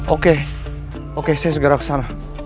oke oke saya segera ke sana